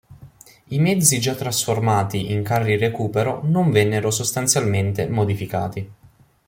I mezzi già trasformati in carri recupero non vennero sostanzialmente modificati.